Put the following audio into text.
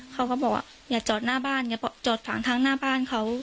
เขาก็บอกว่าอย่าจอดหน้าบ้านอย่าจอดฝั่งทางหน้าบ้านเขา